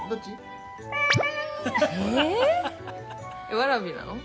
わらびなの？